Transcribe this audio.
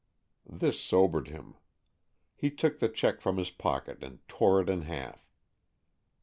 '' This sobered him. He took the cheque from his pocket and tore it in half.